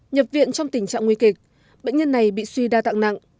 nhập viện trong tình trạng nguy kịch bệnh nhân này bị suy đa tạng nặng